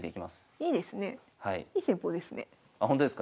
いい戦法ですね。